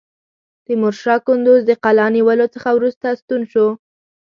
تیمورشاه کندوز د قلا نیولو څخه وروسته ستون شو.